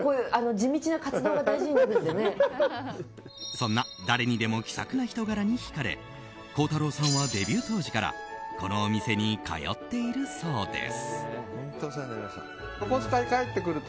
そんな誰にでも気さくな人柄に引かれ孝太郎さんはデビュー当時からこのお店に通っているそうです。